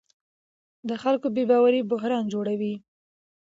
د خلکو بې باوري بحران جوړوي